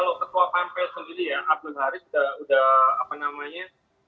kalau ketua pampel sendiri ya abdul haris sudah apa namanya